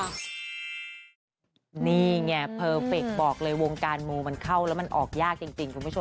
นี่ไงเพอร์เฟคบอกเลยวงการมูมันเข้าแล้วมันออกยากจริงคุณผู้ชม